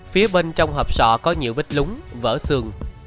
phía bên trong hộp sọ có nhiều vết lúng vỡ xương